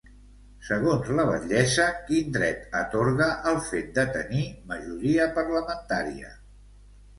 Segons la batllessa, quin dret atorga el fet de tenir majoria parlamentària?